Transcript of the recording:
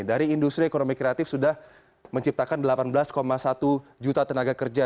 dari industri ekonomi kreatif sudah menciptakan delapan belas satu juta tenaga kerja